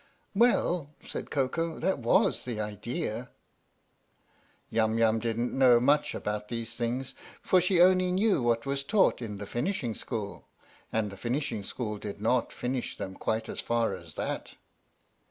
"Well," said Koko, "that was the idea." Yum Yum didn't know much about these things, for she only knew what was taught in the Finishing School, and the Finishing School did not finish them quite as far as that.